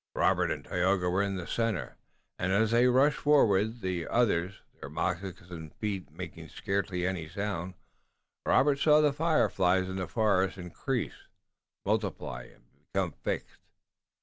Robert and Tayoga were in the center, and as they rushed forward with the others, their moccasined feet making scarcely any sound, Robert saw the fireflies in the forest increase, multiply and become fixed.